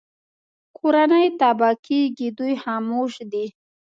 کورنۍ تباه کېږي دوی خاموش دي